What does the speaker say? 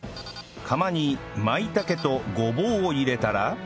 釜にまいたけとごぼうを入れたら